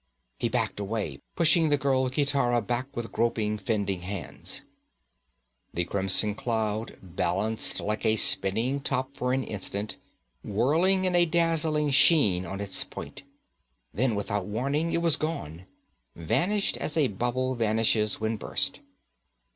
He backed away, pushing the girl Gitara back with groping, fending hands. The crimson cloud balanced like a spinning top for an instant, whirling in a dazzling sheen on its point. Then without warning it was gone, vanished as a bubble vanishes when burst.